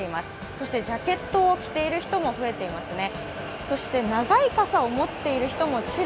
そしてジャケットを着ている人も多いですね。